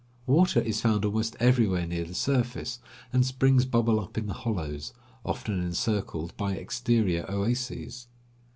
Water is found almost everywhere near the surface, and springs bubble up in the hollows, often encircled by exterior oases.